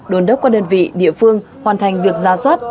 đồn đốc các đơn vị địa phương hoàn thành việc ra soát